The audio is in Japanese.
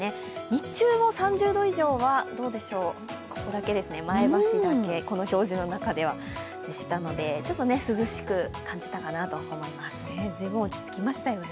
日中も３０度以上はどうでしょう、前橋だけですね、この表示の中ではでしたので、ちょっと涼しく感じたかなと思います。